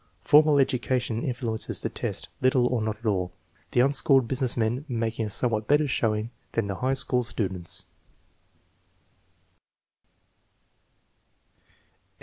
Formal education influences the test little or not at all, the unschooled business men making a somewhat better showing than the high school students.